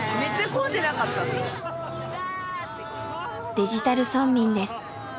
デジタル村民です。